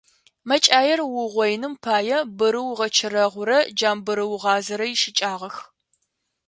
Мэкӏаир уугъоиным пае бырыугъэчэрэгъурэ джамбырыугъазэрэ ищыкӏагъэх.